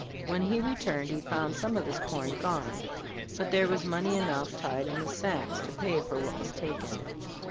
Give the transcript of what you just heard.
When he returned he found some of his corn gone, but there was money enough tied in the sacks to pay for what was taken.